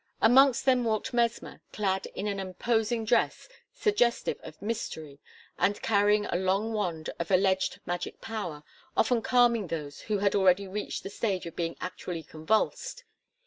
Amongst them walked Mesmer, clad in an imposing dress suggestive of mystery and carrying a long wand of alleged magic power; often calming those who had already reached the stage of being actually convulsed.